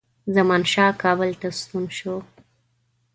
زمانشاه کابل ته ستون شو.